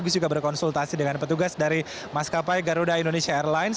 terkonsultasi dengan petugas dari maskapai garuda indonesia airlines